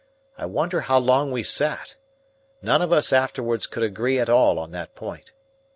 I wonder how long we sat! None of us afterwards could agree at all on that point.